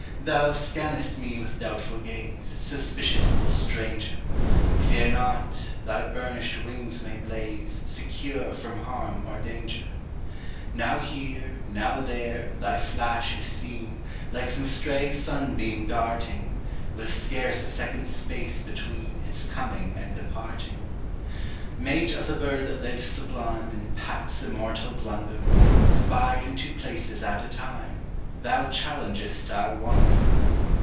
Thou scannest me with doubtful gaze, Suspicious little stranger! Fear not, thy burnished wings may blazeSecure from harm or danger. Now here, now there, thy flash is seen, Like some stray sunbeam darting, With scarce a second's space betweenIts coming and departing. Mate of the bird that lives sublimeIn Pat's immortal blunder, Spied in two places at a time, Thou challengest our wonder.